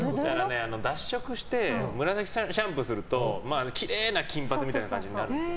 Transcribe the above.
脱色してムラサキシャンプーするときれいな金髪みたいな感じになるんですよ。